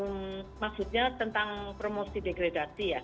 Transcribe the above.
ya maksudnya tentang promosi degradasi ya